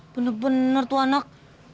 bener bener tuh anak